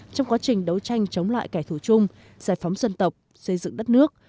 trong quá trình đấu tranh chống lại kẻ thù chung giải phóng dân tộc xây dựng đất nước